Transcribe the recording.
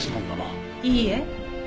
いいえ。